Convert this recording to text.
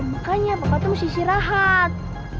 makanya bapak tuh mesti istirahat